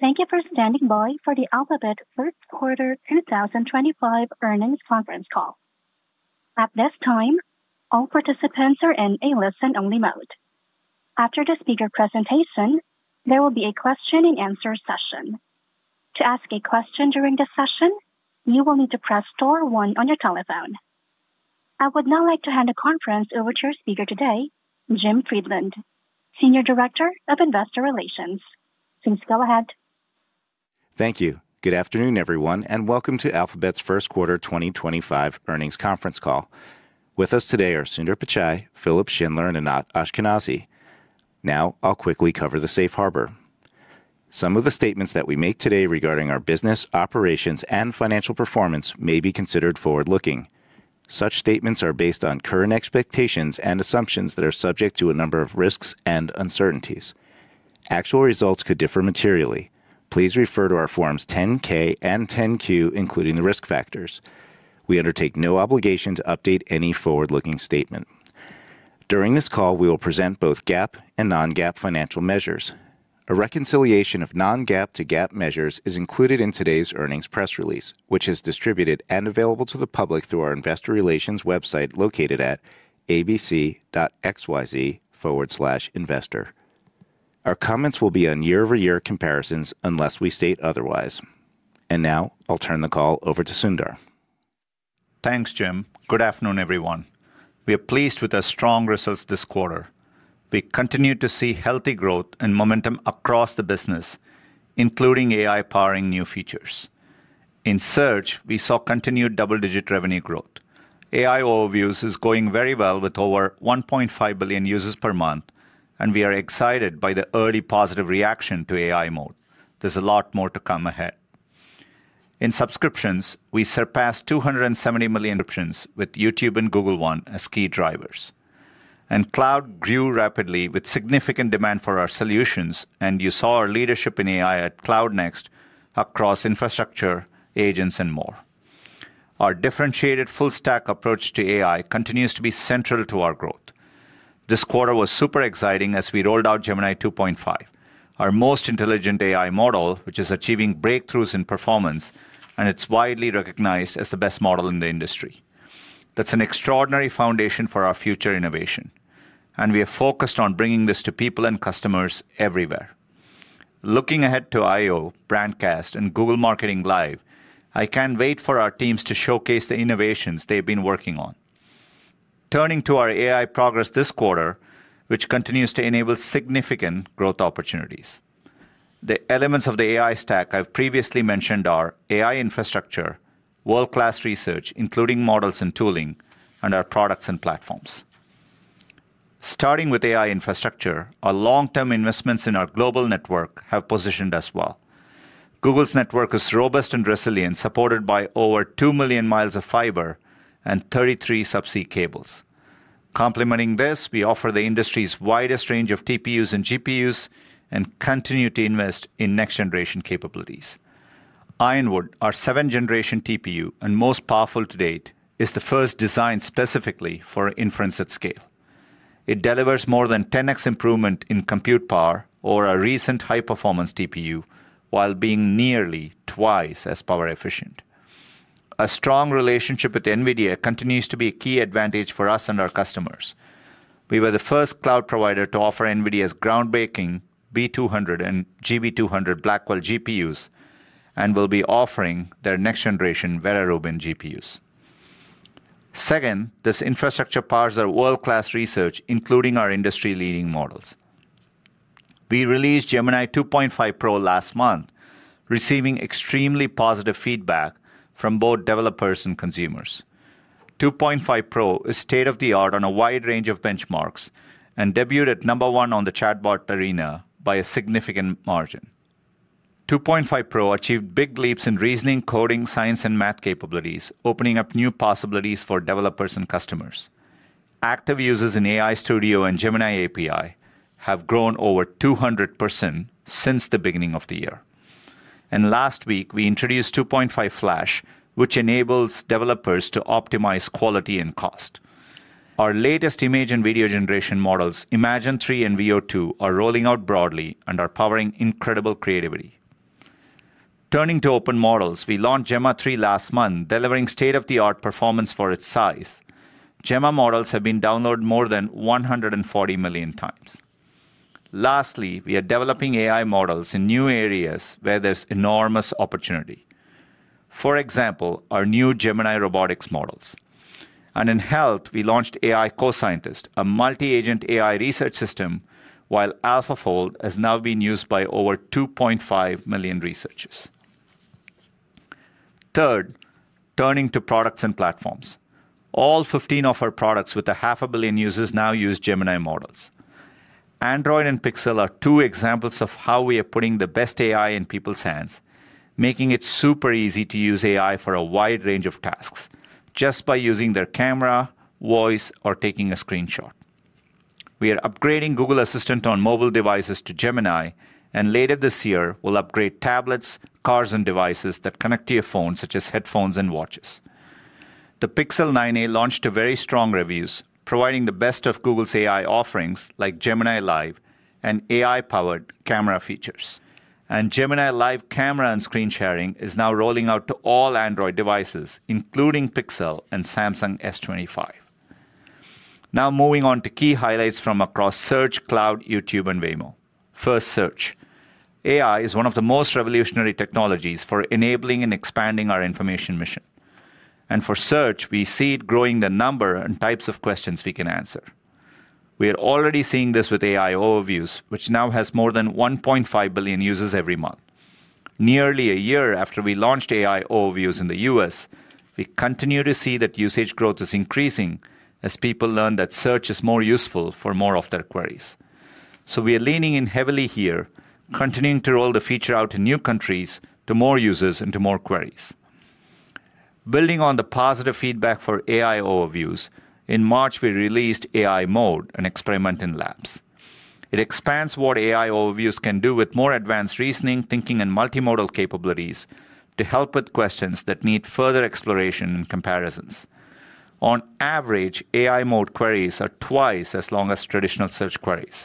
Thank you for standing by for the Alphabet First Quarter 2025 earnings conference call. At this time, all participants are in a listen-only mode. After the speaker presentation, there will be a question-and-answer session. To ask a question during this session, you will need to press star one on your telephone. I would now like to hand the conference over to our speaker today, Jim Friedland, Senior Director of Investor Relations. Please go ahead. Thank you. Good afternoon, everyone, and welcome to Alphabet's First Quarter 2025 earnings conference call. With us today are Sundar Pichai, Philipp Schindler, and Anat Ashkenazi. Now, I'll quickly cover the safe harbor. Some of the statements that we make today regarding our business operations and financial performance may be considered forward-looking. Such statements are based on current expectations and assumptions that are subject to a number of risks and uncertainties. Actual results could differ materially. Please refer to our Forms 10-K and 10-Q, including the risk factors. We undertake no obligation to update any forward-looking statement. During this call, we will present both GAAP and non-GAAP financial measures. A reconciliation of non-GAAP to GAAP measures is included in today's earnings press release, which is distributed and available to the public through our investor relations website located at abc.xyz/investor. Our comments will be on year-over-year comparisons unless we state otherwise. Now, I'll turn the call over to Sundar. Thanks, Jim. Good afternoon, everyone. We are pleased with our strong results this quarter. We continue to see healthy growth and momentum across the business, including AI powering new features. In Search, we saw continued double-digit revenue growth. AI Overviews is going very well with over 1.5 billion users per month, and we are excited by the early positive reaction to AI Mode. There is a lot more to come ahead. In subscriptions, we surpassed 270 million. Subscriptions with YouTube and Google One as key drivers. Cloud grew rapidly with significant demand for our solutions, and you saw our leadership in AI at Cloud Next across infrastructure, agents, and more. Our differentiated full-stack approach to AI continues to be central to our growth. This quarter was super exciting as we rolled out Gemini 2.5, our most intelligent AI model, which is achieving breakthroughs in performance, and it's widely recognized as the best model in the industry. That's an extraordinary foundation for our future innovation, and we are focused on bringing this to people and customers everywhere. Looking ahead to I/O, Brandcast, and Google Marketing Live, I can't wait for our teams to showcase the innovations they've been working on. Turning to our AI progress this quarter, which continues to enable significant growth opportunities. The elements of the AI stack I've previously mentioned are AI infrastructure, world-class research, including models and tooling, and our products and platforms. Starting with AI infrastructure, our long-term investments in our global network have positioned us well. Google's network is robust and resilient, supported by over 2 million miles of fiber and 33 subsea cables. Complementing this, we offer the industry's widest range of TPUs and GPUs and continue to invest in next-generation capabilities. Ironwood, our seventh-generation TPU and most powerful to date, is the first designed specifically for inference at scale. It delivers more than 10x improvement in compute power over our recent high-performance TPU while being nearly twice as power efficient. A strong relationship with NVIDIA continues to be a key advantage for us and our customers. We were the first cloud provider to offer NVIDIA's groundbreaking B200 and GB200 Blackwell GPUs and will be offering their next-generation Vera Rubin GPUs. Second, this infrastructure powers our world-class research, including our industry-leading models. We released Gemini 2.5 Pro last month, receiving extremely positive feedback from both developers and consumers. 2.5 Pro is state-of-the-art on a wide range of benchmarks and debuted at number one on the chatbot arena by a significant margin. 2.5 Pro achieved big leaps in reasoning, coding, science, and math capabilities, opening up new possibilities for developers and customers. Active users in AI Studio and Gemini API have grown over 200% since the beginning of the year. Last week, we introduced 2.5 Flash, which enables developers to optimize quality and cost. Our latest image and video generation models, Imagen 3 and Veo 2, are rolling out broadly and are powering incredible creativity. Turning to open models, we launched Gemma 3 last month, delivering state-of-the-art performance for its size. Gemma models have been downloaded more than 140 million times. Lastly, we are developing AI models in new areas where there's enormous opportunity. For example, our new Gemini robotics models. In health, we launched AI CoScientist, a multi-agent AI research system, while AlphaFold has now been used by over 2.5 million researchers. Third, turning to products and platforms. All 15 of our products with half a billion users now use Gemini models. Android and Pixel are two examples of how we are putting the best AI in people's hands, making it super easy to use AI for a wide range of tasks just by using their camera, voice, or taking a screenshot. We are upgrading Google Assistant on mobile devices to Gemini, and later this year, we'll upgrade tablets, cars, and devices that connect to your phone, such as headphones and watches. The Pixel 9a launched to very strong reviews, providing the best of Google's AI offerings like Gemini Live and AI-powered camera features. Gemini Live camera and screen sharing is now rolling out to all Android devices, including Pixel and Samsung S25. Now, moving on to key highlights from across Search, Cloud, YouTube, and Waymo. First, Search. AI is one of the most revolutionary technologies for enabling and expanding our information mission. For Search, we see it growing the number and types of questions we can answer. We are already seeing this with AI Overviews, which now has more than 1.5 billion users every month. Nearly a year after we launched AI Overviews in the US, we continue to see that usage growth is increasing as people learn that Search is more useful for more of their queries. We are leaning in heavily here, continuing to roll the feature out in new countries to more users and to more queries. Building on the positive feedback for AI Overviews, in March, we released AI Mode, an experiment in labs. It expands what AI Overviews can do with more advanced reasoning, thinking, and multimodal capabilities to help with questions that need further exploration and comparisons. On average, AI Mode queries are twice as long as traditional search queries.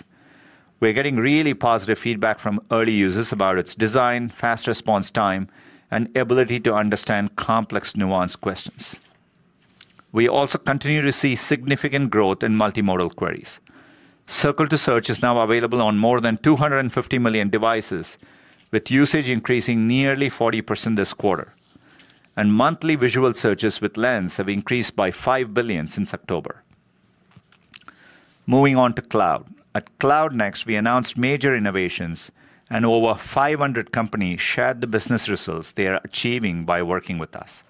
We’re getting really positive feedback from early users about its design, fast response time, and ability to understand complex nuanced questions. We also continue to see significant growth in multimodal queries. Circle to Search is now available on more than 250 million devices, with usage increasing nearly 40% this quarter. Monthly visual searches with Lens have increased by 5 billion since October. Moving on to Cloud. At Cloud Next, we announced major innovations, and over 500 companies shared the business results they are achieving by working with us.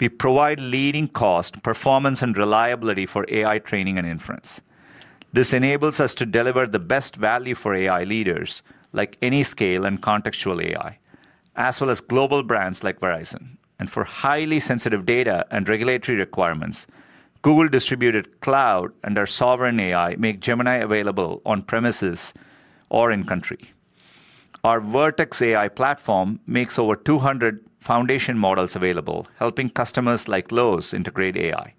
We provide leading cost, performance, and reliability for AI training and inference. This enables us to deliver the best value for AI leaders like any scale and contextual AI, as well as global brands like Verizon. For highly sensitive data and regulatory requirements, Google Distributed Cloud and our sovereign AI make Gemini available on premises or in-country. Our Vertex AI platform makes over 200 foundation models available, helping customers like Lowe's integrate AI.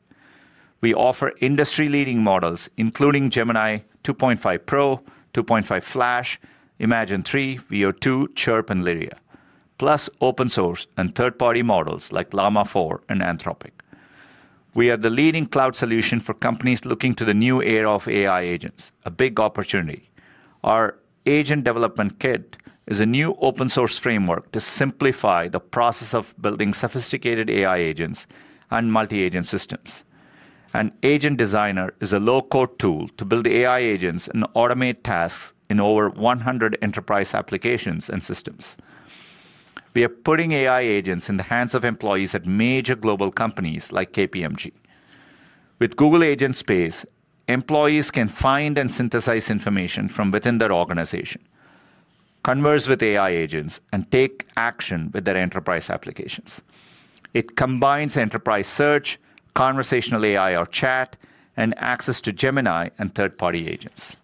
We offer industry-leading models, including Gemini 2.5 Pro, 2.5 Flash, Imagen 3, Veo 2, Chirp, and Lyria, plus open-source and third-party models like Llama 4 and Anthropic. We are the leading cloud solution for companies looking to the new era of AI agents, a big opportunity. Our Agent Development Kit is a new open-source framework to simplify the process of building sophisticated AI agents and multi-agent systems. Agent Designer is a low-code tool to build AI agents and automate tasks in over 100 enterprise applications and systems. We are putting AI agents in the hands of employees at major global companies like KPMG. With Google Agent Space, employees can find and synthesize information from within their organization, converse with AI agents, and take action with their enterprise applications. It combines enterprise search, conversational AI or chat, and access to Gemini and third-party agents.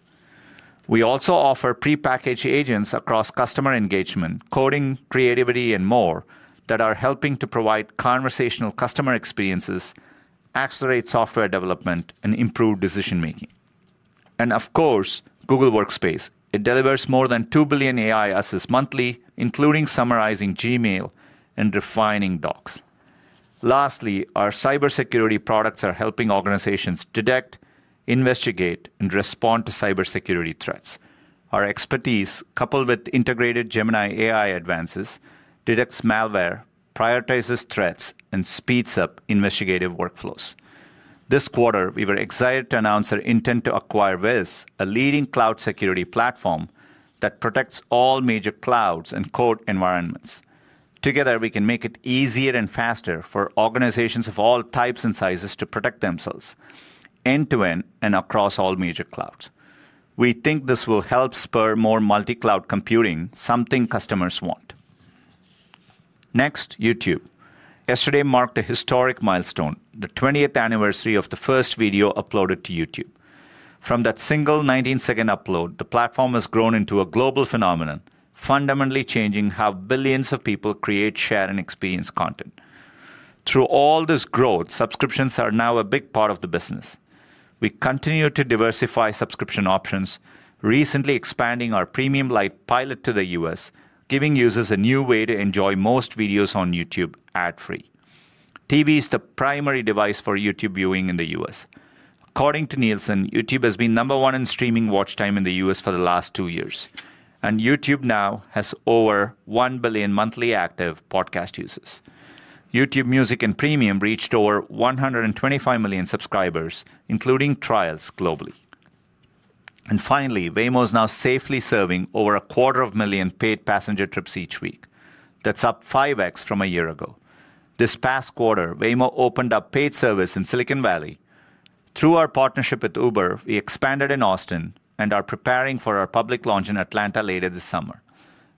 We also offer prepackaged agents across customer engagement, coding, creativity, and more that are helping to provide conversational customer experiences, accelerate software development, and improve decision-making. Of course, Google Workspace. It delivers more than 2 billion AI assets monthly, including summarizing Gmail and refining docs. Lastly, our cybersecurity products are helping organizations detect, investigate, and respond to cybersecurity threats. Our expertise, coupled with integrated Gemini AI advances, detects malware, prioritizes threats, and speeds up investigative workflows. This quarter, we were excited to announce our intent to acquire Wiz, a leading cloud security platform that protects all major clouds and code environments. Together, we can make it easier and faster for organizations of all types and sizes to protect themselves end-to-end and across all major clouds. We think this will help spur more multi-cloud computing, something customers want. Next, YouTube. Yesterday marked a historic milestone, the 20th anniversary of the first video uploaded to YouTube. From that single 19-second upload, the platform has grown into a global phenomenon, fundamentally changing how billions of people create, share, and experience content. Through all this growth, subscriptions are now a big part of the business. We continue to diversify subscription options, recently expanding our premium light pilot to the US, giving users a new way to enjoy most videos on YouTube ad-free. TV is the primary device for YouTube viewing in the US. According to Nielsen, YouTube has been number one in streaming watch time in the US for the last two years. YouTube now has over 1 billion monthly active podcast users. YouTube Music and Premium reached over 125 million subscribers, including trials globally. Finally, Waymo is now safely serving over a quarter of a million paid passenger trips each week. That is up 5x from a year ago. This past quarter, Waymo opened up paid service in Silicon Valley. Through our partnership with Uber, we expanded in Austin and are preparing for our public launch in Atlanta later this summer.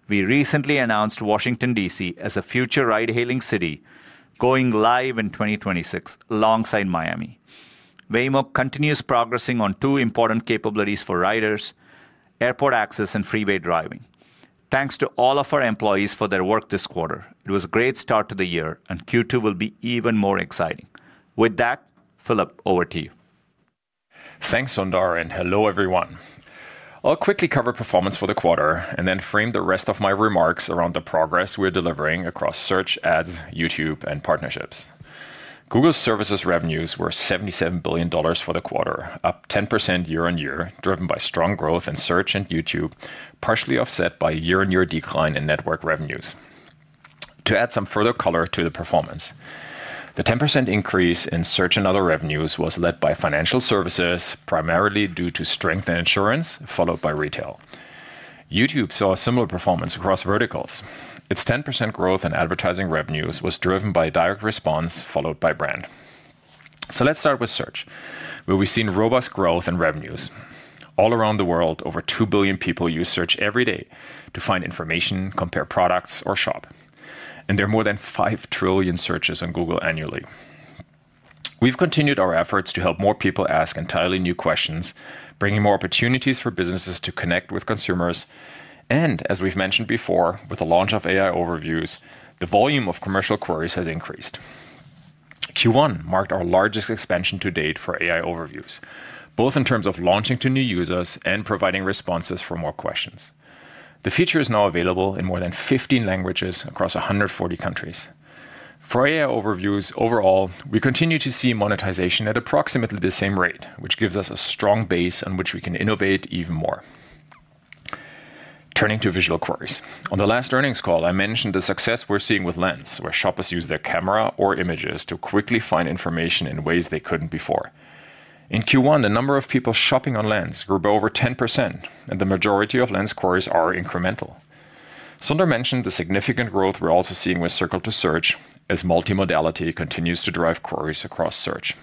We recently announced Washington, DC, as a future ride-hailing city, going live in 2026 alongside Miami. Waymo continues progressing on two important capabilities for riders: airport access and freeway driving. Thanks to all of our employees for their work this quarter. It was a great start to the year, and Q2 will be even more exciting. With that, Philip, over to you. Thanks, Sundar, and hello, everyone. I'll quickly cover performance for the quarter and then frame the rest of my remarks around the progress we're delivering across Search, Ads, YouTube, and partnerships. Google Services revenues were $77 billion for the quarter, up 10% year on year, driven by strong growth in Search and YouTube, partially offset by year-on-year decline in network revenues. To add some further color to the performance, the 10% increase in Search and other revenues was led by financial services, primarily due to strength in insurance, followed by retail. YouTube saw similar performance across verticals. Its 10% growth in advertising revenues was driven by direct response, followed by brand. Let's start with Search, where we've seen robust growth in revenues. All around the world, over 2 billion people use Search every day to find information, compare products, or shop. There are more than 5 trillion searches on Google annually. We've continued our efforts to help more people ask entirely new questions, bringing more opportunities for businesses to connect with consumers. As we've mentioned before, with the launch of AI Overviews, the volume of commercial queries has increased. Q1 marked our largest expansion to date for AI Overviews, both in terms of launching to new users and providing responses for more questions. The feature is now available in more than 15 languages across 140 countries. For AI Overviews overall, we continue to see monetization at approximately the same rate, which gives us a strong base on which we can innovate even more. Turning to visual queries. On the last earnings call, I mentioned the success we're seeing with Lens, where shoppers use their camera or images to quickly find information in ways they couldn't before. In Q1, the number of people shopping on Lens grew by over 10%, and the majority of Lens queries are incremental. Sundar mentioned the significant growth we are also seeing with Circle to Search as multimodality continues to drive queries across Search.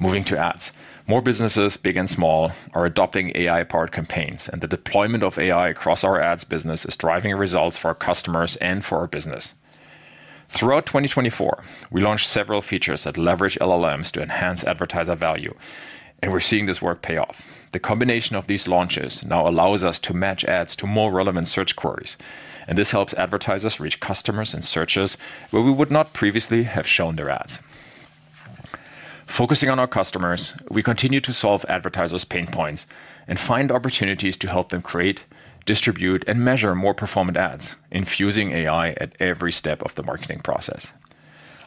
Moving to ads, more businesses, big and small, are adopting AI-powered campaigns, and the deployment of AI across our ads business is driving results for our customers and for our business. Throughout 2024, we launched several features that leverage LLMs to enhance advertiser value, and we are seeing this work pay off. The combination of these launches now allows us to match ads to more relevant search queries, and this helps advertisers reach customers and searchers where we would not previously have shown their ads. Focusing on our customers, we continue to solve advertisers' pain points and find opportunities to help them create, distribute, and measure more performant ads, infusing AI at every step of the marketing process.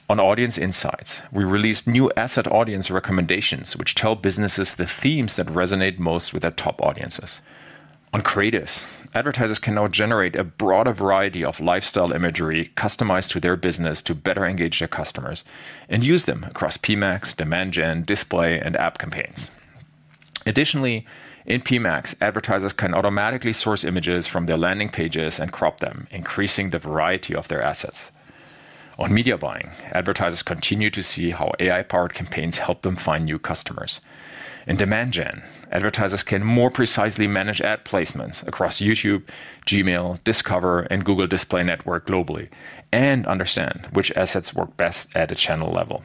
On audience insights, we released new asset audience recommendations, which tell businesses the themes that resonate most with their top audiences. On creatives, advertisers can now generate a broader variety of lifestyle imagery customized to their business to better engage their customers and use them across PMAX, Demand Gen, Display, and app campaigns. Additionally, in PMAX, advertisers can automatically source images from their landing pages and crop them, increasing the variety of their assets. On media buying, advertisers continue to see how AI-powered campaigns help them find new customers. In Demand Gen, advertisers can more precisely manage ad placements across YouTube, Gmail, Discover, and Google Display Network globally, and understand which assets work best at a channel level.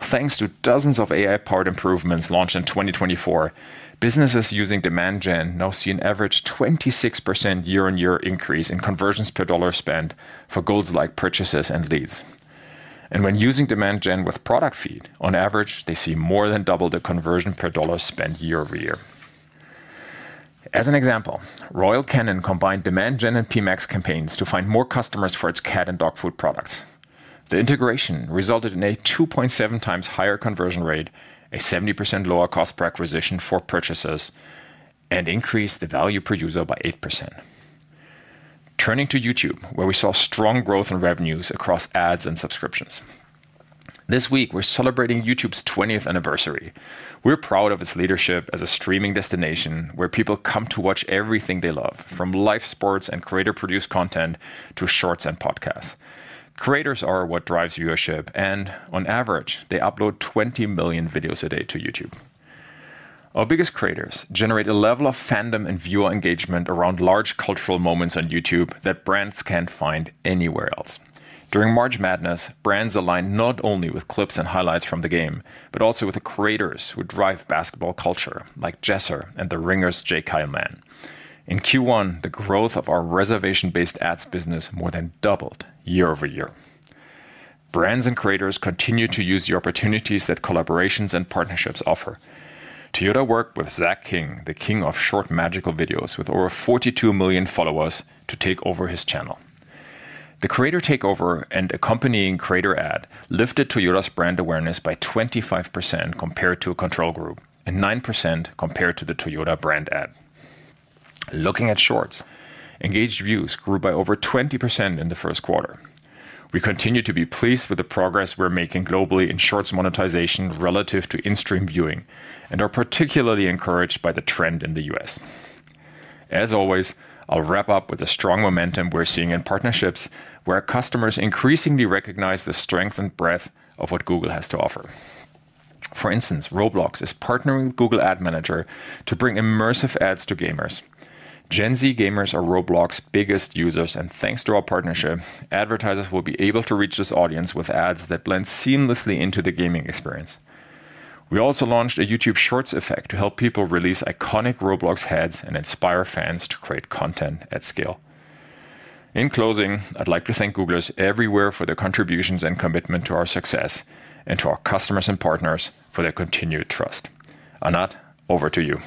Thanks to dozens of AI-powered improvements launched in 2024, businesses using Demand Gen now see an average 26% year-on-year increase in conversions per dollar spent for goals like purchases and leads. When using Demand Gen with product feed, on average, they see more than double the conversion per dollar spent year over year. As an example, Royal Canin combined Demand Gen and PMAX campaigns to find more customers for its cat and dog food products. The integration resulted in a 2.7 times higher conversion rate, a 70% lower cost per acquisition for purchases, and increased the value per user by 8%. Turning to YouTube, where we saw strong growth in revenues across ads and subscriptions. This week, we're celebrating YouTube's 20th anniversary. We're proud of its leadership as a streaming destination where people come to watch everything they love, from live sports and creator-produced content to shorts and podcasts. Creators are what drives viewership, and on average, they upload 20 million videos a day to YouTube. Our biggest creators generate a level of fandom and viewer engagement around large cultural moments on YouTube that brands can't find anywhere else. During March Madness, brands align not only with clips and highlights from the game, but also with the creators who drive basketball culture, like Jesser and The Ringer's J. Kyle Mann. In Q1, the growth of our reservation-based ads business more than doubled year over year. Brands and creators continue to use the opportunities that collaborations and partnerships offer. Toyota worked with Zach King, the king of short magical videos, with over 42 million followers to take over his channel. The creator takeover and accompanying creator ad lifted Toyota's brand awareness by 25% compared to a control group and 9% compared to the Toyota brand ad. Looking at Shorts, engaged views grew by over 20% in the first quarter. We continue to be pleased with the progress we're making globally in Shorts monetization relative to in-stream viewing and are particularly encouraged by the trend in the US. As always, I'll wrap up with the strong momentum we're seeing in partnerships where customers increasingly recognize the strength and breadth of what Google has to offer. For instance, Roblox is partnering with Google Ad Manager to bring immersive ads to gamers. Gen Z gamers are Roblox's biggest users, and thanks to our partnership, advertisers will be able to reach this audience with ads that blend seamlessly into the gaming experience. We also launched a YouTube Shorts effect to help people release iconic Roblox heads and inspire fans to create content at scale. In closing, I'd like to thank Googlers everywhere for their contributions and commitment to our success and to our customers and partners for their continued trust. Anat, over to you.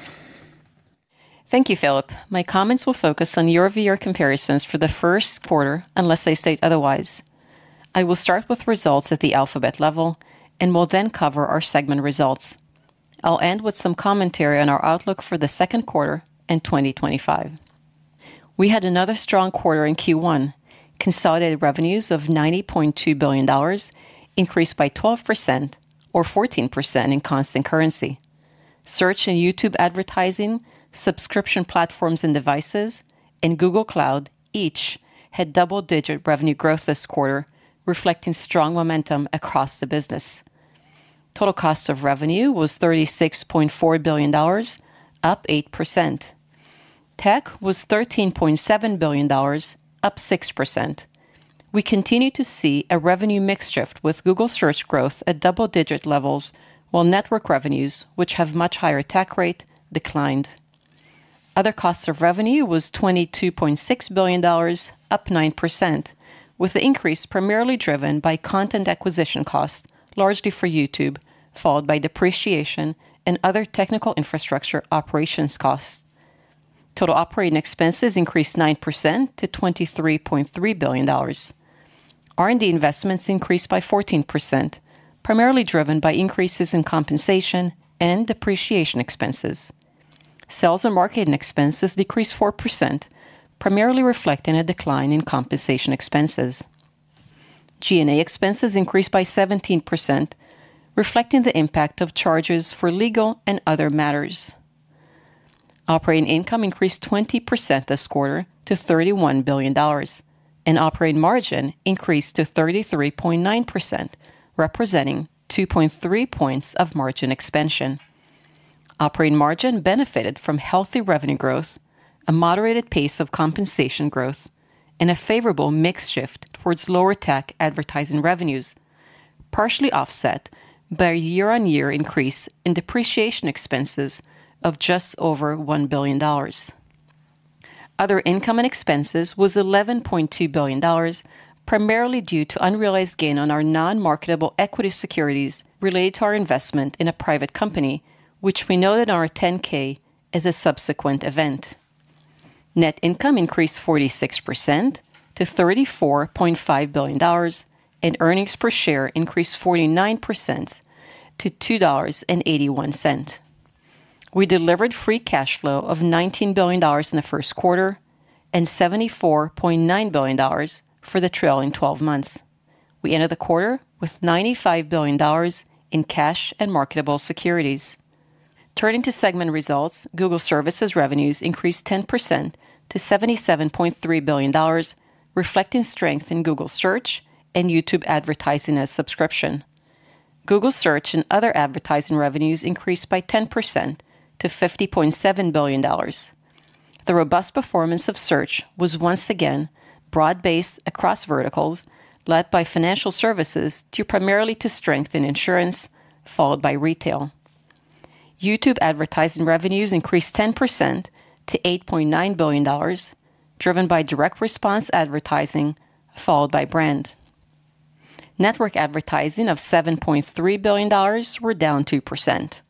Thank you, Philipp. My comments will focus on year-over-year comparisons for the first quarter, unless I state otherwise. I will start with results at the Alphabet level and will then cover our segment results. I'll end with some commentary on our outlook for the second quarter and 2025. We had another strong quarter in Q1, consolidated revenues of $90.2 billion, increased by 12% or 14% in constant currency. Search and YouTube advertising, subscription platforms and devices, and Google Cloud each had double-digit revenue growth this quarter, reflecting strong momentum across the business. Total cost of revenue was $36.4 billion, up 8%. Tech was $13.7 billion, up 6%. We continue to see a revenue mix shift with Google Search growth at double-digit levels, while network revenues, which have a much higher tech rate, declined. Other cost of revenue was $22.6 billion, up 9%, with the increase primarily driven by content acquisition costs, largely for YouTube, followed by depreciation and other technical infrastructure operations costs. Total operating expenses increased 9% to $23.3 billion. R&D investments increased by 14%, primarily driven by increases in compensation and depreciation expenses. Sales and marketing expenses decreased 4%, primarily reflecting a decline in compensation expenses. G&A expenses increased by 17%, reflecting the impact of charges for legal and other matters. Operating income increased 20% this quarter to $31 billion, and operating margin increased to 33.9%, representing 2.3 percentage points of margin expansion. Operating margin benefited from healthy revenue growth, a moderated pace of compensation growth, and a favorable mix shift towards lower tech advertising revenues, partially offset by a year-on-year increase in depreciation expenses of just over $1 billion. Other income and expenses was $11.2 billion, primarily due to unrealized gain on our non-marketable equity securities related to our investment in a private company, which we noted on our 10-K as a subsequent event. Net income increased 46% to $34.5 billion, and earnings per share increased 49% to $2.81. We delivered free cash flow of $19 billion in the first quarter and $74.9 billion for the trailing 12 months. We ended the quarter with $95 billion in cash and marketable securities. Turning to segment results, Google Services revenues increased 10% to $77.3 billion, reflecting strength in Google Search and YouTube advertising as subscription. Google Search and other advertising revenues increased by 10% to $50.7 billion. The robust performance of Search was once again broad-based across verticals, led by financial services primarily to strength in insurance, followed by retail. YouTube advertising revenues increased 10% to $8.9 billion, driven by direct response advertising, followed by brand. Network advertising of $7.3 billion were down 2%.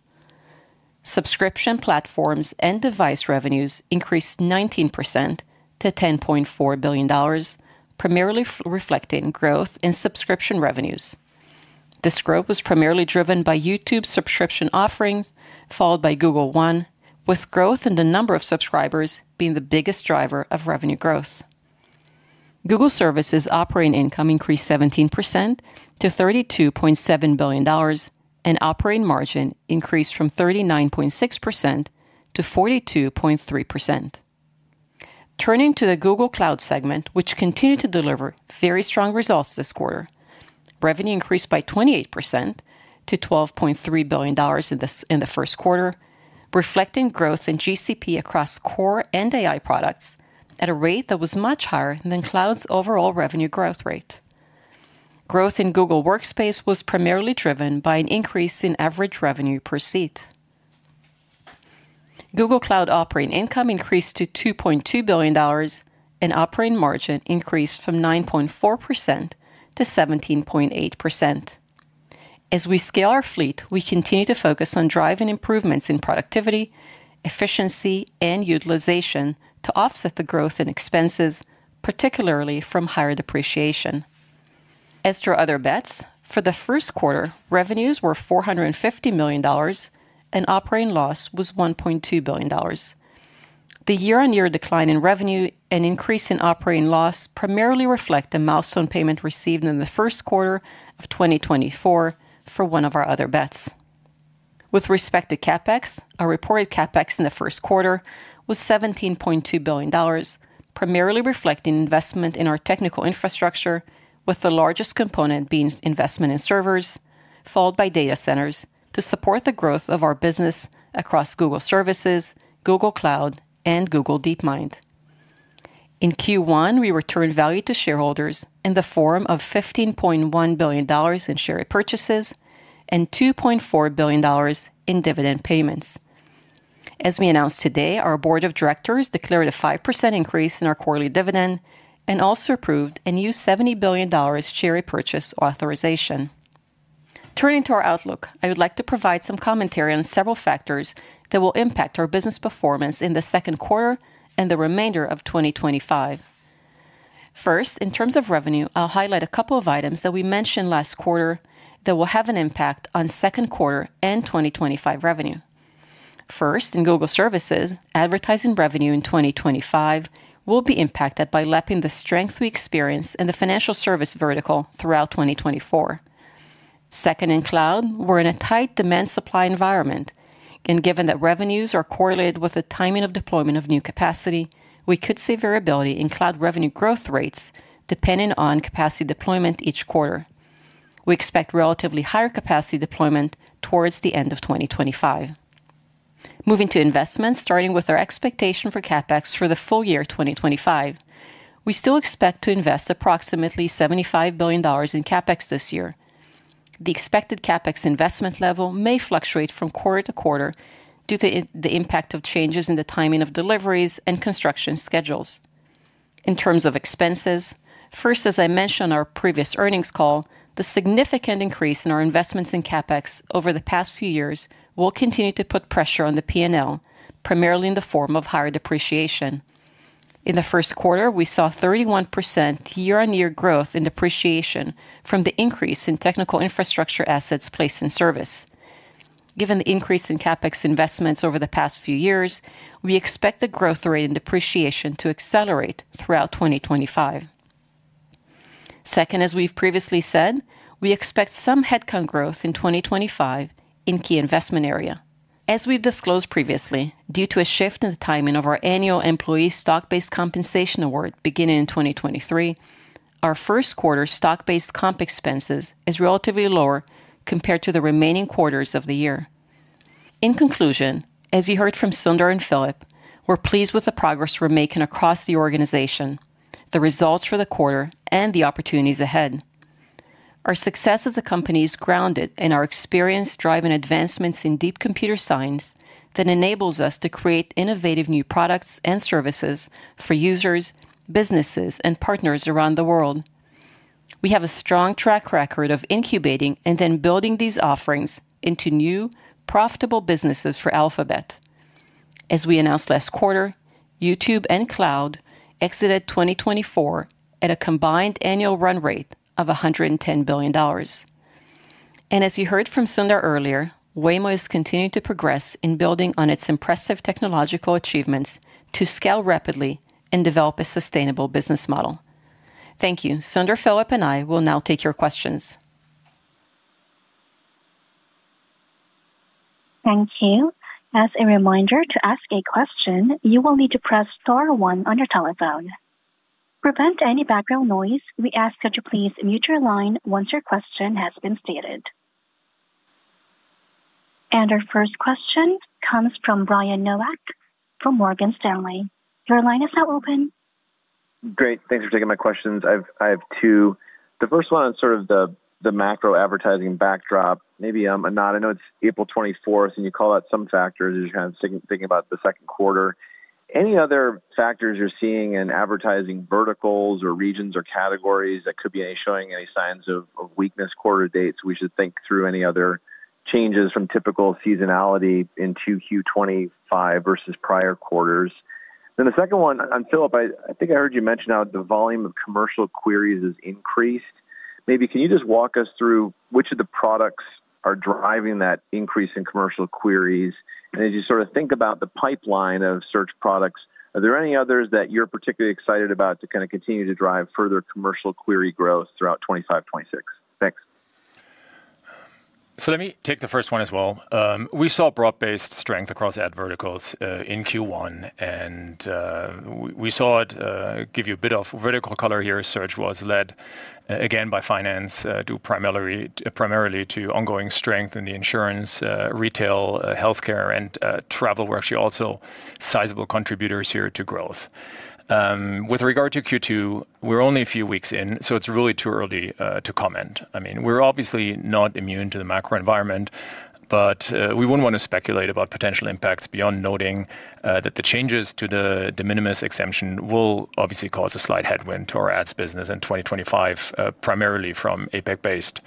Subscription platforms and device revenues increased 19% to $10.4 billion, primarily reflecting growth in subscription revenues. This growth was primarily driven by YouTube subscription offerings, followed by Google One, with growth in the number of subscribers being the biggest driver of revenue growth. Google Services operating income increased 17% to $32.7 billion, and operating margin increased from 39.6% to 42.3%. Turning to the Google Cloud segment, which continued to deliver very strong results this quarter, revenue increased by 28% to $12.3 billion in the first quarter, reflecting growth in GCP across core and AI products at a rate that was much higher than Cloud's overall revenue growth rate. Growth in Google Workspace was primarily driven by an increase in average revenue per seat. Google Cloud operating income increased to $2.2 billion, and operating margin increased from 9.4% to 17.8%. As we scale our fleet, we continue to focus on driving improvements in productivity, efficiency, and utilization to offset the growth in expenses, particularly from higher depreciation. As to other bets, for the first quarter, revenues were $450 million, and operating loss was $1.2 billion. The year-on-year decline in revenue and increase in operating loss primarily reflect the milestone payment received in the first quarter of 2024 for one of our other bets. With respect to CapEx, our reported CapEx in the first quarter was $17.2 billion, primarily reflecting investment in our technical infrastructure, with the largest component being investment in servers, followed by data centers to support the growth of our business across Google Services, Google Cloud, and Google DeepMind. In Q1, we returned value to shareholders in the form of $15.1 billion in share purchases and $2.4 billion in dividend payments. As we announced today, our board of directors declared a 5% increase in our quarterly dividend and also approved a new $70 billion share purchase authorization. Turning to our outlook, I would like to provide some commentary on several factors that will impact our business performance in the second quarter and the remainder of 2025. First, in terms of revenue, I'll highlight a couple of items that we mentioned last quarter that will have an impact on second quarter and 2025 revenue. First, in Google Services, advertising revenue in 2025 will be impacted by lapping the strength we experience in the financial service vertical throughout 2024. Second, in Cloud, we're in a tight demand-supply environment, and given that revenues are correlated with the timing of deployment of new capacity, we could see variability in Cloud revenue growth rates depending on capacity deployment each quarter. We expect relatively higher capacity deployment towards the end of 2025. Moving to investments, starting with our expectation for CapEx for the full year 2025, we still expect to invest approximately $75 billion in CapEx this year. The expected CapEx investment level may fluctuate from quarter to quarter due to the impact of changes in the timing of deliveries and construction schedules. In terms of expenses, first, as I mentioned on our previous earnings call, the significant increase in our investments in CapEx over the past few years will continue to put pressure on the P&L, primarily in the form of higher depreciation. In the first quarter, we saw 31% year-on-year growth in depreciation from the increase in technical infrastructure assets placed in service. Given the increase in CapEx investments over the past few years, we expect the growth rate in depreciation to accelerate throughout 2025. Second, as we've previously said, we expect some headcount growth in 2025 in key investment areas. As we've disclosed previously, due to a shift in the timing of our annual employee stock-based compensation award beginning in 2023, our first quarter stock-based comp expenses is relatively lower compared to the remaining quarters of the year. In conclusion, as you heard from Sundar and Philipp, we're pleased with the progress we're making across the organization, the results for the quarter, and the opportunities ahead. Our success as a company is grounded in our experience driving advancements in deep computer science that enables us to create innovative new products and services for users, businesses, and partners around the world. We have a strong track record of incubating and then building these offerings into new, profitable businesses for Alphabet. As we announced last quarter, YouTube and Cloud exited 2024 at a combined annual run rate of $110 billion. As you heard from Sundar earlier, Waymo is continuing to progress in building on its impressive technological achievements to scale rapidly and develop a sustainable business model. Thank you. Sundar, Philip, and I will now take your questions. Thank you. As a reminder to ask a question, you will need to press Star 1 on your telephone. To prevent any background noise, we ask that you please mute your line once your question has been stated. Our first question comes from Brian Nowak from Morgan Stanley. Your line is now open. Great. Thanks for taking my questions. I have two. The first one on sort of the macro advertising backdrop, maybe Anat, I know it's April 24th, and you call out some factors as you're kind of thinking about the second quarter. Any other factors you're seeing in advertising verticals or regions or categories that could be showing any signs of weakness quarter to date? We should think through any other changes from typical seasonality into Q25 versus prior quarters. The second one, on Philip, I think I heard you mention how the volume of commercial queries has increased. Maybe can you just walk us through which of the products are driving that increase in commercial queries? And as you sort of think about the pipeline of search products, are there any others that you're particularly excited about to kind of continue to drive further commercial query growth throughout 2025-2026? Thanks. Let me take the first one as well. We saw broad-based strength across ad verticals in Q1, and we saw it give you a bit of vertical color here. Search was led, again, by finance, primarily to ongoing strength in the insurance, retail, healthcare, and travel, where actually also sizable contributors here to growth. With regard to Q2, we're only a few weeks in, so it's really too early to comment. I mean, we're obviously not immune to the macro environment, but we wouldn't want to speculate about potential impacts beyond noting that the changes to the de minimis exemption will obviously cause a slight headwind to our ads business in 2025, primarily from APAC-based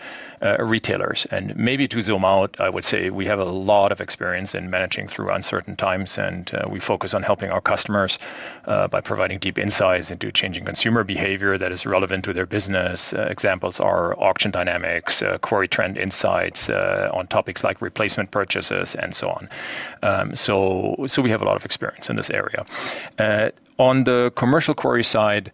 retailers. Maybe to zoom out, I would say we have a lot of experience in managing through uncertain times, and we focus on helping our customers by providing deep insights into changing consumer behavior that is relevant to their business. Examples are auction dynamics, query trend insights on topics like replacement purchases, and so on. We have a lot of experience in this area. On the commercial query side,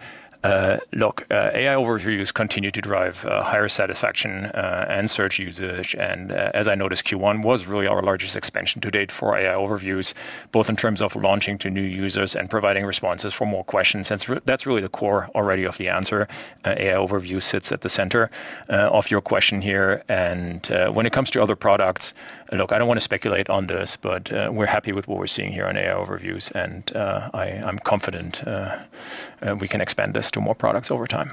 look, AI overviews continue to drive higher satisfaction and search usage. As I noticed, Q1 was really our largest expansion to date for AI overviews, both in terms of launching to new users and providing responses for more questions. That is really the core already of the answer. AI overview sits at the center of your question here. When it comes to other products, look, I do not want to speculate on this, but we are happy with what we are seeing here on AI overviews, and I am confident we can expand this to more products over time.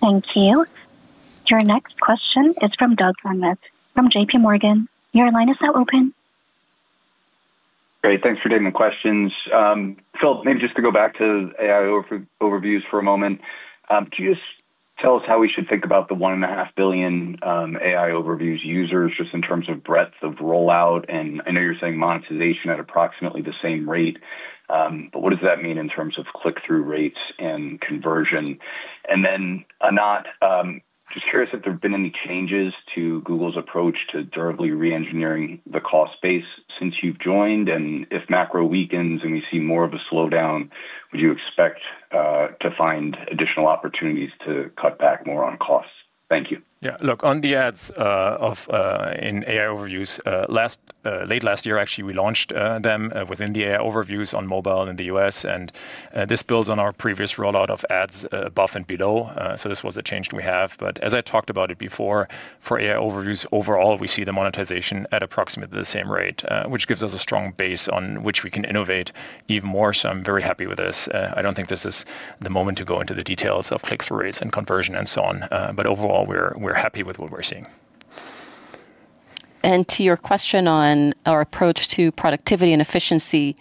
Thank you. Your next question is from Doug Antereth from JPMorgan. Your line is now open. Great. Thanks for taking the questions. Philip, maybe just to go back to AI Overviews for a moment, could you just tell us how we should think about the 1.5 billion AI Overviews users just in terms of breadth of rollout? I know you're saying monetization at approximately the same rate, but what does that mean in terms of click-through rates and conversion? Anat, just curious if there have been any changes to Google's approach to durably re-engineering the cost base since you've joined? If macro weakens and we see more of a slowdown, would you expect to find additional opportunities to cut back more on costs? Thank you. Yeah. Look, on the ads in AI Overviews, late last year, actually, we launched them within the AI Overviews on mobile in the US. This builds on our previous rollout of ads above and below. This was a change we have. As I talked about it before, for AI Overviews overall, we see the monetization at approximately the same rate, which gives us a strong base on which we can innovate even more. I am very happy with this. I do not think this is the moment to go into the details of click-through rates and conversion and so on. Overall, we are happy with what we are seeing. To your question on our approach to productivity and efficiency,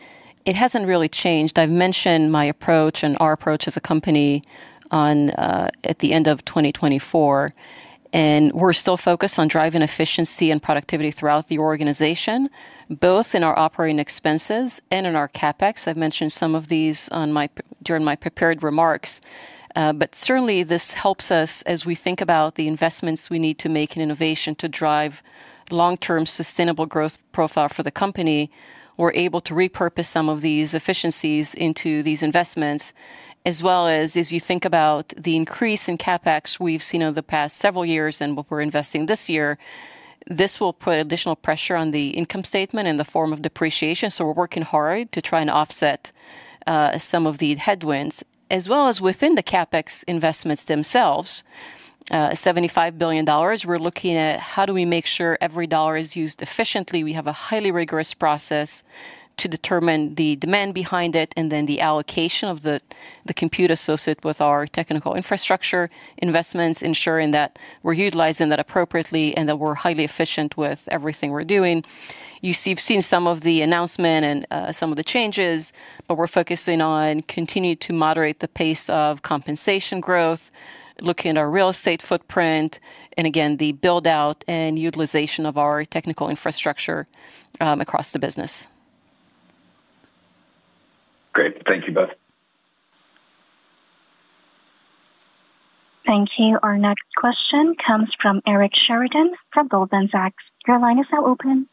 it has not really changed. I have mentioned my approach and our approach as a company at the end of 2024. We are still focused on driving efficiency and productivity throughout the organization, both in our operating expenses and in our CapEx. I have mentioned some of these during my prepared remarks. Certainly, this helps us as we think about the investments we need to make in innovation to drive long-term sustainable growth profile for the company. We're able to repurpose some of these efficiencies into these investments, as well as, as you think about the increase in CapEx we've seen over the past several years and what we're investing this year, this will put additional pressure on the income statement in the form of depreciation. We're working hard to try and offset some of the headwinds, as well as within the CapEx investments themselves. $75 billion, we're looking at how do we make sure every dollar is used efficiently. We have a highly rigorous process to determine the demand behind it and then the allocation of the compute associated with our technical infrastructure investments, ensuring that we're utilizing that appropriately and that we're highly efficient with everything we're doing. You've seen some of the announcement and some of the changes, but we're focusing on continuing to moderate the pace of compensation growth, looking at our real estate footprint, and again, the buildout and utilization of our technical infrastructure across the business. Great. Thank you both. Thank you. Our next question comes from Eric Sheridan from Goldman Sachs. Your line is now open.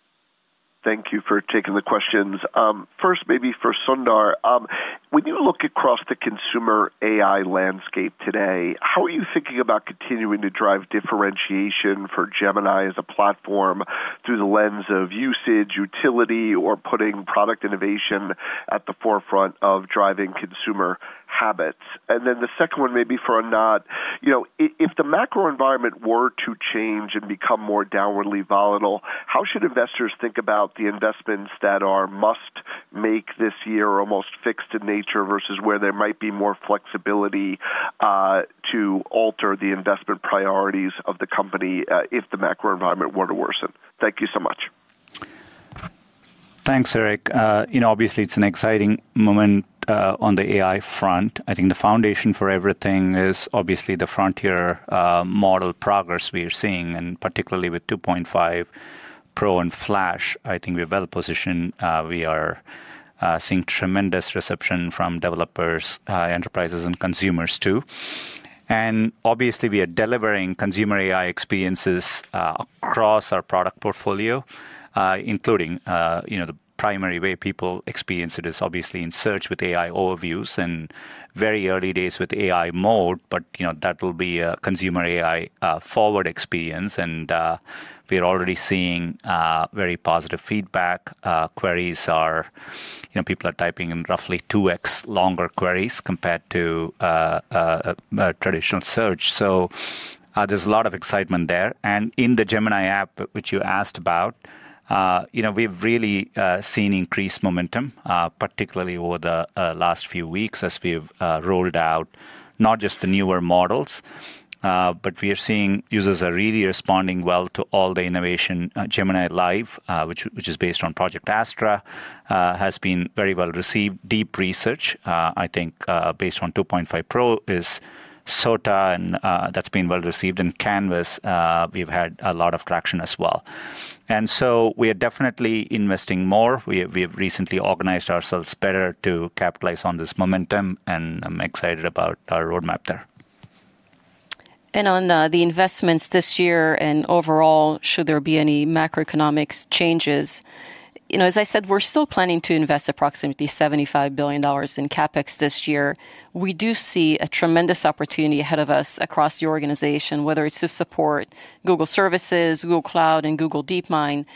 Thank you for taking the questions. First, maybe for Sundar, when you look across the consumer AI landscape today, how are you thinking about continuing to drive differentiation for Gemini as a platform through the lens of usage, utility, or putting product innovation at the forefront of driving consumer habits? The second one, maybe for Anat, if the macro environment were to change and become more downwardly volatile, how should investors think about the investments that are must-make this year, almost fixed in nature, versus where there might be more flexibility to alter the investment priorities of the company if the macro environment were to worsen? Thank you so much. Thanks, Eric. Obviously, it's an exciting moment on the AI front. I think the foundation for everything is obviously the frontier model progress we are seeing, and particularly with 2.5 Pro and Flash, I think we have a better position. We are seeing tremendous reception from developers, enterprises, and consumers too. Obviously, we are delivering consumer AI experiences across our product portfolio, including the primary way people experience it is obviously in Search with AI Overviews and very early days with AI Mode, but that will be a consumer AI forward experience. We are already seeing very positive feedback. Queries are people are typing in roughly 2x longer queries compared to traditional Search. There is a lot of excitement there. In the Gemini app, which you asked about, we have really seen increased momentum, particularly over the last few weeks as we have rolled out not just the newer models, but we are seeing users are really responding well to all the innovation. Gemini Live, which is based on Project Astra, has been very well received. Deep Research, I think, based on 2.5 Pro is SOTA, and that has been well received. Canvas, we've had a lot of traction as well. We are definitely investing more. We have recently organized ourselves better to capitalize on this momentum, and I'm excited about our roadmap there. On the investments this year and overall, should there be any macroeconomic changes? As I said, we're still planning to invest approximately $75 billion in CapEx this year. We do see a tremendous opportunity ahead of us across the organization, whether it's to support Google Services, Google Cloud, and Google DeepMind.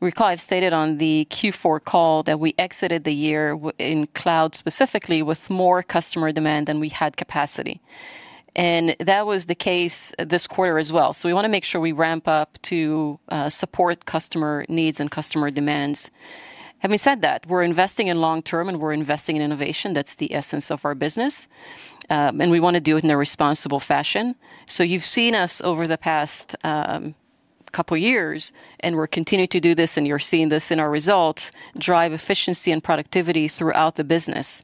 Recall I've stated on the Q4 call that we exited the year in cloud specifically with more customer demand than we had capacity. That was the case this quarter as well. We want to make sure we ramp up to support customer needs and customer demands. Having said that, we're investing in long-term and we're investing in innovation. That's the essence of our business. We want to do it in a responsible fashion. You have seen us over the past couple of years, and we're continuing to do this, and you're seeing this in our results, drive efficiency and productivity throughout the business.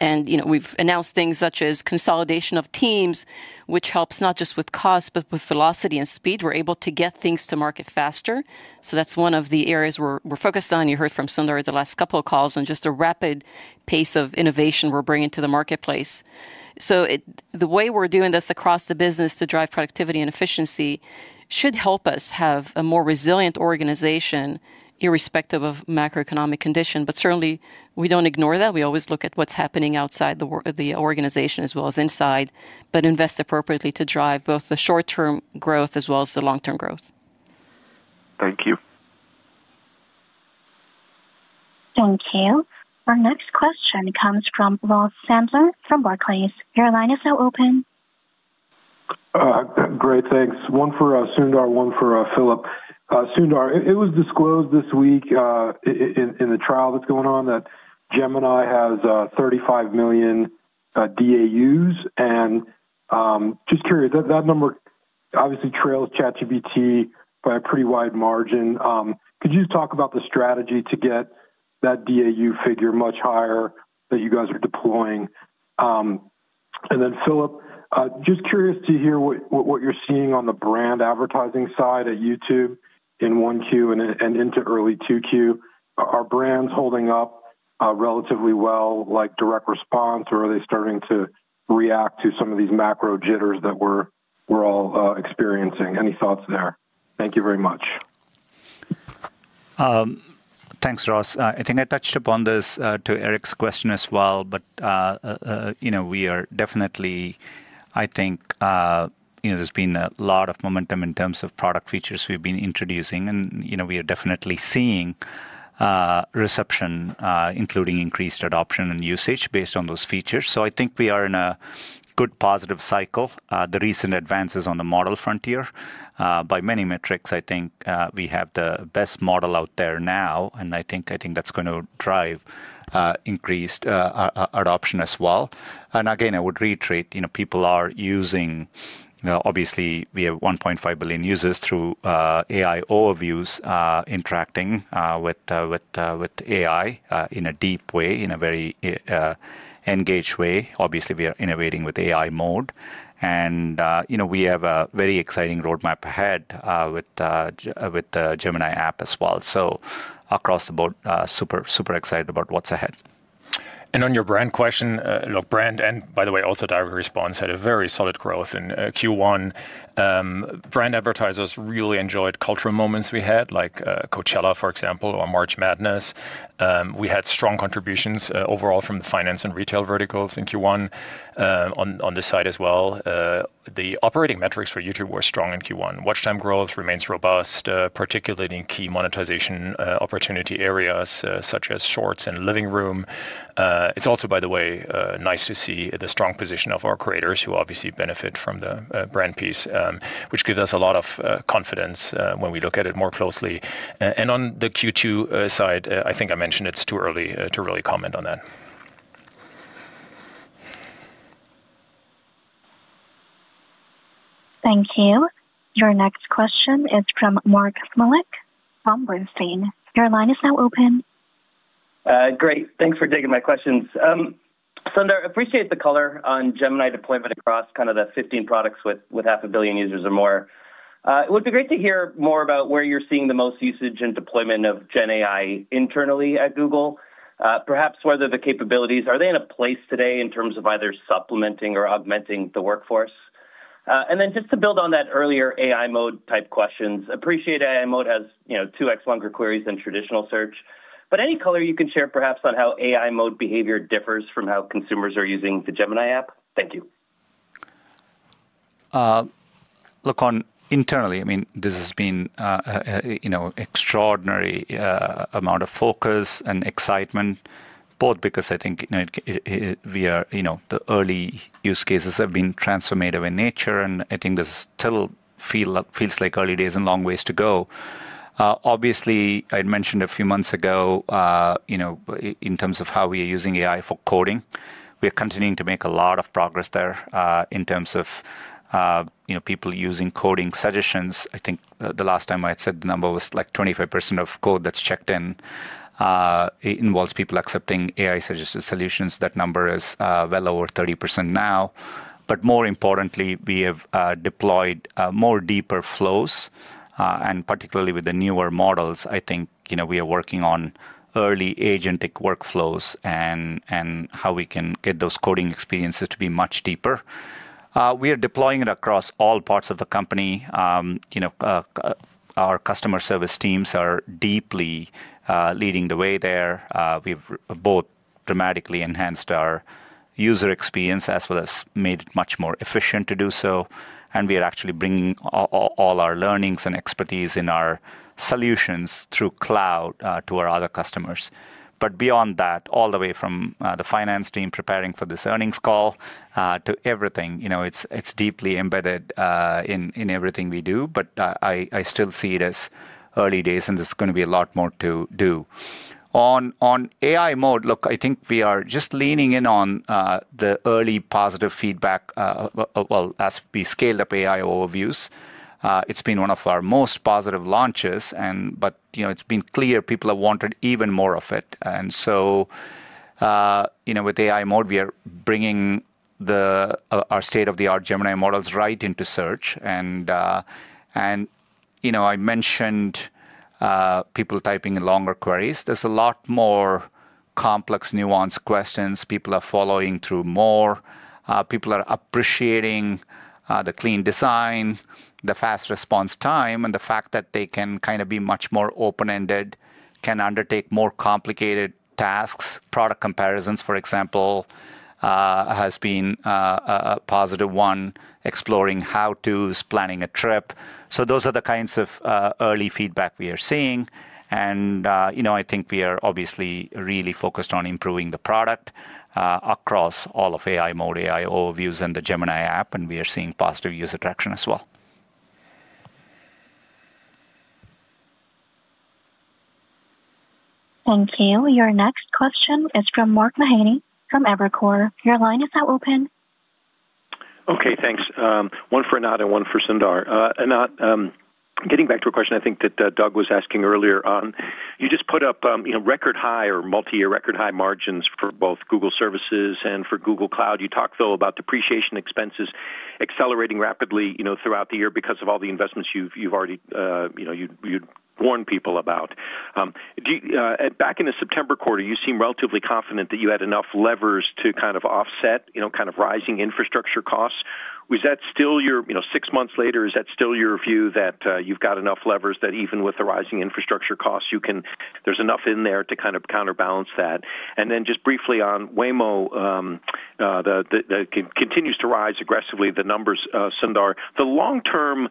We have announced things such as consolidation of teams, which helps not just with cost, but with velocity and speed. We are able to get things to market faster. That is one of the areas we're focused on. You heard from Sundar at the last couple of calls on just the rapid pace of innovation we're bringing to the marketplace. The way we're doing this across the business to drive productivity and efficiency should help us have a more resilient organization irrespective of macroeconomic condition. Certainly, we do not ignore that. We always look at what's happening outside the organization as well as inside, but invest appropriately to drive both the short-term growth as well as the long-term growth. Thank you. Thank you. Our next question comes from Ross Sandler from Barclays. Your line is now open. Great. Thanks. One for Sundar, one for Philip. Sundar, it was disclosed this week in the trial that's going on that Gemini has 35 million DAUs. And just curious, that number obviously trails ChatGPT by a pretty wide margin. Could you just talk about the strategy to get that DAU figure much higher that you guys are deploying? And then Philip, just curious to hear what you're seeing on the brand advertising side at YouTube in one Q and into early two Q. Are brands holding up relatively well, like direct response, or are they starting to react to some of these macro jitters that we're all experiencing? Any thoughts there? Thank you very much. Thanks, Ross. I think I touched upon this to Eric's question as well, but we are definitely, I think there's been a lot of momentum in terms of product features we've been introducing. We are definitely seeing reception, including increased adoption and usage based on those features. I think we are in a good positive cycle. The recent advances on the model frontier, by many metrics, I think we have the best model out there now. I think that's going to drive increased adoption as well. Again, I would reiterate, people are using, obviously, we have 1.5 billion users through AI Overviews interacting with AI in a deep way, in a very engaged way. Obviously, we are innovating with AI Mode. We have a very exciting roadmap ahead with the Gemini app as well. Across the board, super excited about what's ahead. On your brand question, look, brand, and by the way, also direct response had very solid growth in Q1. Brand advertisers really enjoyed cultural moments we had, like Coachella, for example, or March Madness. We had strong contributions overall from the finance and retail verticals in Q1 on the side as well. The operating metrics for YouTube were strong in Q1. Watch time growth remains robust, particularly in key monetization opportunity areas such as Shorts and living room. It is also, by the way, nice to see the strong position of our creators who obviously benefit from the brand piece, which gives us a lot of confidence when we look at it more closely. On the Q2 side, I think I mentioned it's too early to really comment on that. Thank you. Your next question is from Mark Malik from Bernstein. Your line is now open. Great. Thanks for taking my questions. Sundar, I appreciate the color on Gemini deployment across kind of the 15 products with half a billion users or more. It would be great to hear more about where you're seeing the most usage and deployment of Gen AI internally at Google, perhaps whether the capabilities, are they in a place today in terms of either supplementing or augmenting the workforce? Just to build on that earlier AI mode type questions, appreciate AI mode has 2x longer queries than traditional search. Any color you can share perhaps on how AI mode behavior differs from how consumers are using the Gemini app? Thank you. Look, internally, I mean, this has been an extraordinary amount of focus and excitement, both because I think the early use cases have been transformative in nature, and I think this still feels like early days and long ways to go. Obviously, I had mentioned a few months ago in terms of how we are using AI for coding, we are continuing to make a lot of progress there in terms of people using coding suggestions. I think the last time I had said the number was like 25% of code that's checked in. It involves people accepting AI-suggested solutions. That number is well over 30% now. More importantly, we have deployed more deeper flows. Particularly with the newer models, I think we are working on early agentic workflows and how we can get those coding experiences to be much deeper. We are deploying it across all parts of the company. Our customer service teams are deeply leading the way there. We've both dramatically enhanced our user experience as well as made it much more efficient to do so. We are actually bringing all our learnings and expertise in our solutions through cloud to our other customers. Beyond that, all the way from the finance team preparing for this earnings call to everything, it's deeply embedded in everything we do. I still see it as early days, and there's going to be a lot more to do. On AI Mode, look, I think we are just leaning in on the early positive feedback, as we scaled up AI Overviews. It's been one of our most positive launches, but it's been clear people have wanted even more of it. With AI mode, we are bringing our state-of-the-art Gemini models right into search. I mentioned people typing in longer queries. There are a lot more complex, nuanced questions people are following through more. People are appreciating the clean design, the fast response time, and the fact that they can kind of be much more open-ended, can undertake more complicated tasks. Product comparisons, for example, has been a positive one, exploring how-tos, planning a trip. Those are the kinds of early feedback we are seeing. I think we are obviously really focused on improving the product across all of AI mode, AI Overviews, and the Gemini app, and we are seeing positive user traction as well. Thank you. Your next question is from Mark Mahaney from Evercore. Your line is now open. Okay, thanks. One for Anat and one for Sundar. Anat, getting back to a question I think that Doug was asking earlier on, you just put up record high or multi-year record high margins for both Google Services and for Google Cloud. You talked though about depreciation expenses accelerating rapidly throughout the year because of all the investments you've warned people about. Back in the September quarter, you seemed relatively confident that you had enough levers to kind of offset kind of rising infrastructure costs. Was that still your six months later? Is that still your view that you've got enough levers that even with the rising infrastructure costs, there's enough in there to kind of counterbalance that? Just briefly on Waymo, that continues to rise aggressively, the numbers, Sundar. The long-term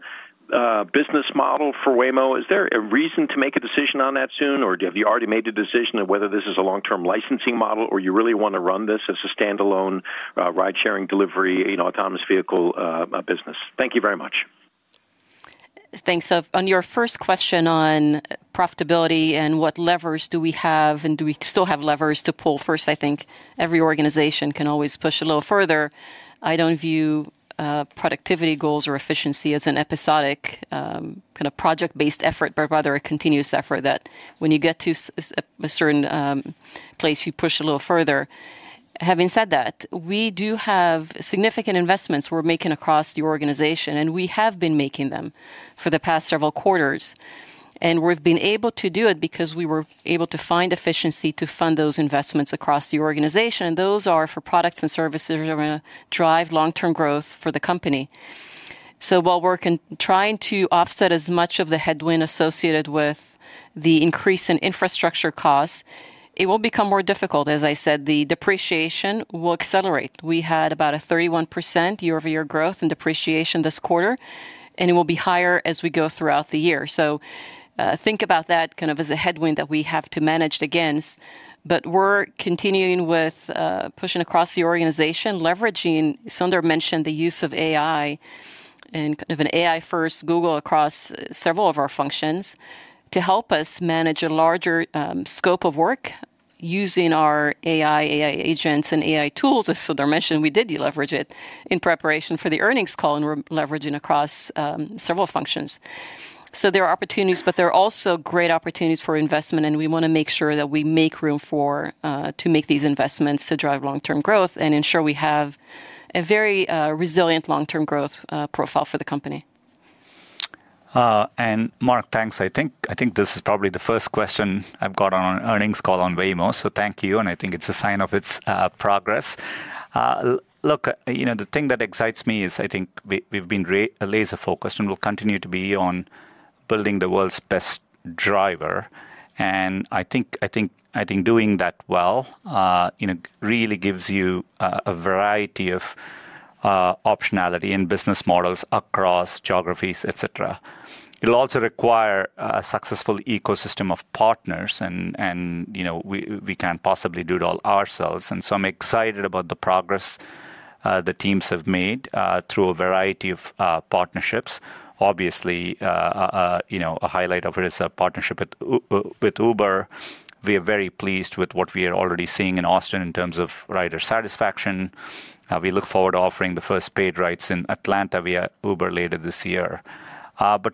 business model for Waymo, is there a reason to make a decision on that soon, or have you already made a decision on whether this is a long-term licensing model, or you really want to run this as a standalone ride-sharing delivery autonomous vehicle business? Thank you very much. Thanks. On your first question on profitability and what levers do we have, and do we still have levers to pull? First, I think every organization can always push a little further. I do not view productivity goals or efficiency as an episodic kind of project-based effort, but rather a continuous effort that when you get to a certain place, you push a little further. Having said that, we do have significant investments we are making across the organization, and we have been making them for the past several quarters. We have been able to do it because we were able to find efficiency to fund those investments across the organization. Those are for products and services that are going to drive long-term growth for the company. While we are trying to offset as much of the headwind associated with the increase in infrastructure costs, it will become more difficult. As I said, the depreciation will accelerate. We had about a 31% year-over-year growth in depreciation this quarter, and it will be higher as we go throughout the year. Think about that kind of as a headwind that we have to manage against. We are continuing with pushing across the organization, leveraging, Sundar mentioned the use of AI and kind of an AI-first Google across several of our functions to help us manage a larger scope of work using our AI, AI agents, and AI tools. As Sundar mentioned, we did leverage it in preparation for the earnings call, and we're leveraging across several functions. There are opportunities, but there are also great opportunities for investment, and we want to make sure that we make room to make these investments to drive long-term growth and ensure we have a very resilient long-term growth profile for the company. Mark, thanks. I think this is probably the first question I've got on an earnings call on Waymo. Thank you, and I think it's a sign of its progress. Look, the thing that excites me is I think we've been laser-focused and will continue to be on building the world's best driver. I think doing that well really gives you a variety of optionality in business models across geographies, et cetera. It'll also require a successful ecosystem of partners, and we can't possibly do it all ourselves. I'm excited about the progress the teams have made through a variety of partnerships. Obviously, a highlight of it is our partnership with Uber. We are very pleased with what we are already seeing in Austin in terms of rider satisfaction. We look forward to offering the first paid rides in Atlanta via Uber later this year.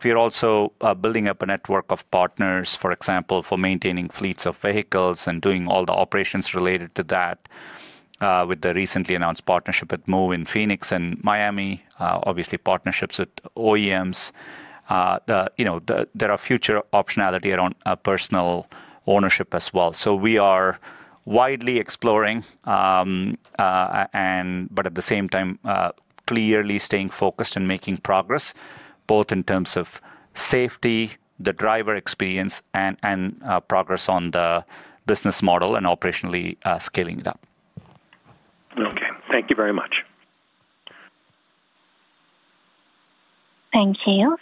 We are also building up a network of partners, for example, for maintaining fleets of vehicles and doing all the operations related to that with the recently announced partnership with Move in Phoenix and Miami, obviously partnerships with OEMs. There are future optionality around personal ownership as well. We are widely exploring, but at the same time, clearly staying focused and making progress both in terms of safety, the driver experience, and progress on the business model and operationally scaling it up. Okay, thank you very much. Thank you.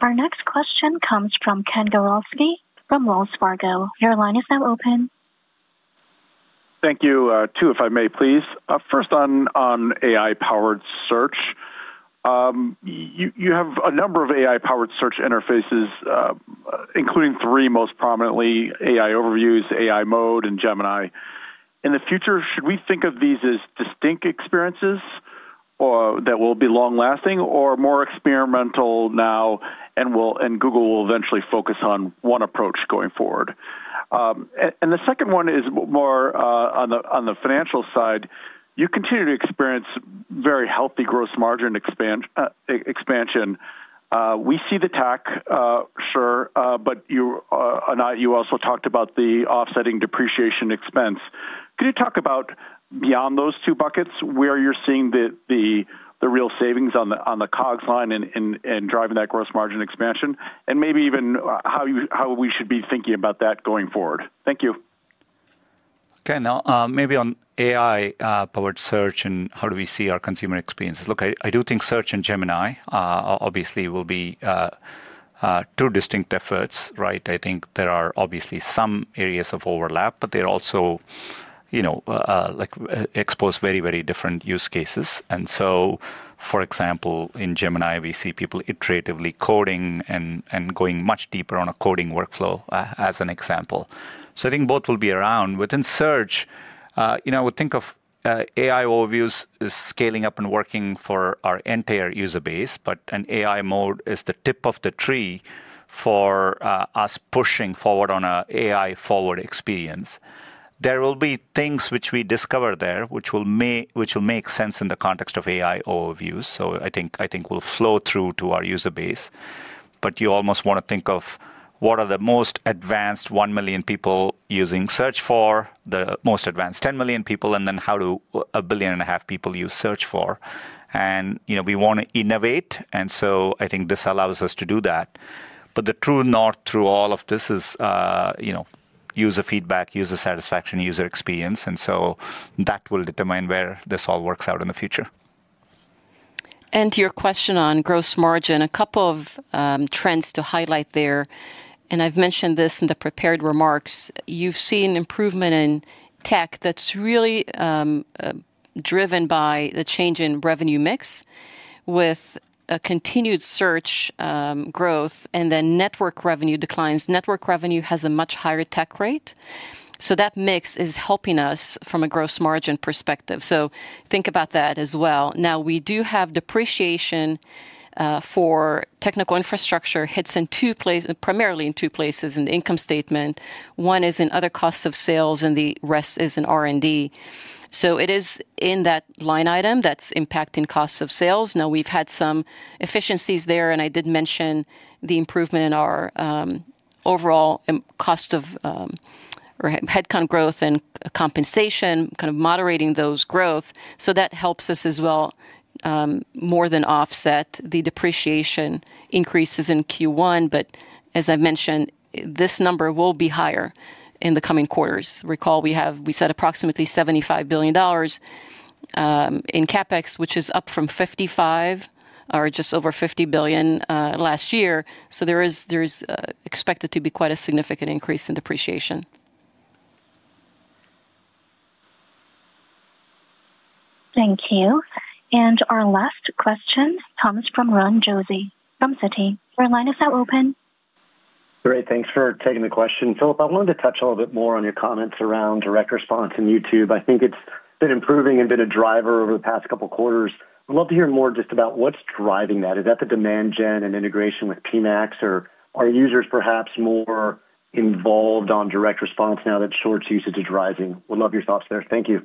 Our next question comes from Ken Goralski from Wells Fargo. Your line is now open. Thank you too, if I may, please. First on AI-powered search. You have a number of AI-powered search interfaces, including three most prominently: AI Overviews, AI Mode, and Gemini. In the future, should we think of these as distinct experiences that will be long-lasting or more experimental now, and Google will eventually focus on one approach going forward? The second one is more on the financial side. You continue to experience very healthy gross margin expansion. We see the tech, sure, but Anat, you also talked about the offsetting depreciation expense. Could you talk about beyond those two buckets where you're seeing the real savings on the COGS line and driving that gross margin expansion, and maybe even how we should be thinking about that going forward? Thank you. Okay, now maybe on AI-powered search and how do we see our consumer experiences? Look, I do think search and Gemini obviously will be two distinct efforts, right? I think there are obviously some areas of overlap, but they're also exposed to very, very different use cases. For example, in Gemini, we see people iteratively coding and going much deeper on a coding workflow as an example. I think both will be around. Within search, I would think of AI Overviews as scaling up and working for our entire user base, but an AI Mode is the tip of the tree for us pushing forward on an AI-forward experience. There will be things which we discover there which will make sense in the context of AI Overviews. I think will flow through to our user base. You almost want to think of what are the most advanced 1 million people using search for, the most advanced 10 million people, and then how do a billion and a half people use search for. We want to innovate, and I think this allows us to do that. The true north through all of this is user feedback, user satisfaction, user experience. That will determine where this all works out in the future. To your question on gross margin, a couple of trends to highlight there. I have mentioned this in the prepared remarks. You've seen improvement in tech that's really driven by the change in revenue mix with continued search growth, and then network revenue declines. Network revenue has a much higher tech rate. That mix is helping us from a gross margin perspective. Think about that as well. Now, we do have depreciation for technical infrastructure hits in two places, primarily in two places in the income statement. One is in other costs of sales, and the rest is in R&D. It is in that line item that's impacting costs of sales. We've had some efficiencies there, and I did mention the improvement in our overall cost of headcount growth and compensation, kind of moderating those growth. That helps us as well more than offset the depreciation increases in Q1. As I've mentioned, this number will be higher in the coming quarters. Recall we said approximately $75 billion in CapEx, which is up from $55 billion or just over $50 billion last year. There is expected to be quite a significant increase in depreciation. Thank you. Our last question, comes from Ron, Josey from Citi. Your line is now open. Great. Thanks for taking the question. Philip, I wanted to touch a little bit more on your comments around direct response in YouTube. I think it's been improving and been a driver over the past couple of quarters. I'd love to hear more just about what's driving that. Is that the Demand Gen and integration with PMax? Or are users perhaps more involved on direct response now that Shorts usage is rising? Would love your thoughts there. Thank you.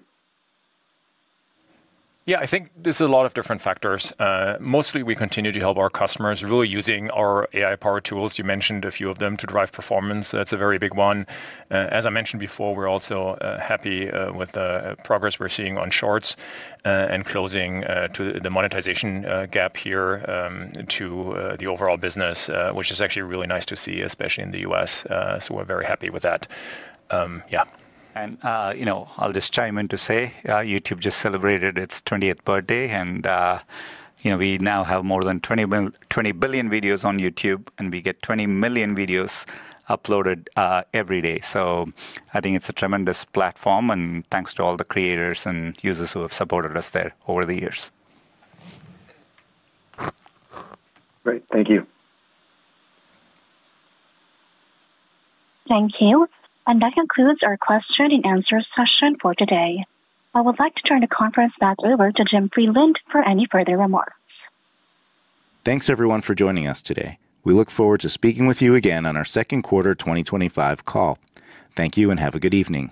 Yeah, I think there's a lot of different factors. Mostly, we continue to help our customers really using our AI-powered tools. You mentioned a few of them to drive performance. That's a very big one. As I mentioned before, we're also happy with the progress we're seeing on Shorts and closing the monetization gap here to the overall business, which is actually really nice to see, especially in the US. We are very happy with that. Yeah. I'll just chime in to say YouTube just celebrated its 20th birthday, and we now have more than 20 billion videos on YouTube, and we get 20 million videos uploaded every day. I think it's a tremendous platform, and thanks to all the creators and users who have supported us there over the years. Thank you. Thank you. That concludes our question and answer session for today. I would like to turn the conference back over to Jim Friedland for any further remarks. Thanks, everyone, for joining us today. We look forward to speaking with you again on our second quarter 2025 call. Thank you and have a good evening.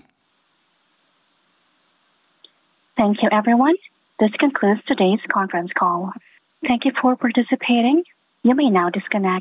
Thank you, everyone. This concludes today's conference call. Thank you for participating. You may now disconnect.